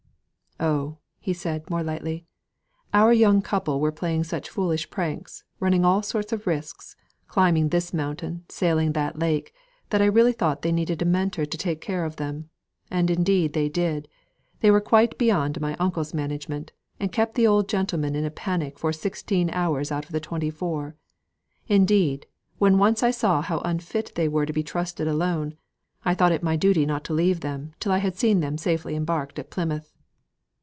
"Oh!" said he, more lightly, "our young couple were playing such foolish pranks, running all sorts of risks, climbing this mountain, sailing on that lake, that I really thought they needed a Mentor to take care of them. And indeed they did: they were quite beyond my uncle's management, and kept the old gentleman in a panic for sixteen hours out of the twenty four. Indeed, when I once saw how unfit they were to be trusted alone, I thought it my duty not to leave them till I had seen them safely embarked at Plymouth."